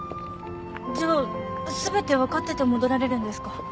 じゃ全て分かってて戻られるんですか？